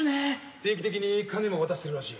定期的に金も渡してるらしい。